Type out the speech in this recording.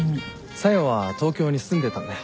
小夜は東京に住んでたんだよ。